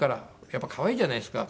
やっぱ可愛いじゃないですか。